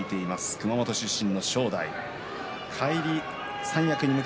熊本出身の正代です。